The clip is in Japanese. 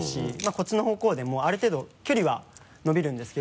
こっちの方向でもある程度距離は伸びるんですけど。